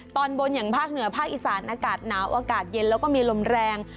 ตอนบนอย่างภาคเหนือภาคอีสานอากาศหนาวอากาศเย็นแล้วก็มีลมแรง